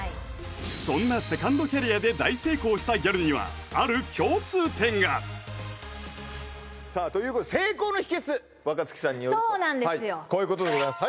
そんなセカンドキャリアで大成功したギャルにはある共通点が成功の秘訣若槻さんによるとそうなんですよこういうことでございます